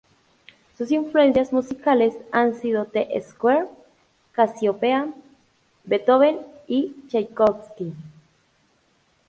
Sus influencias musicales han sido T-Square, Casiopea, Beethoven y Tchaikovsky.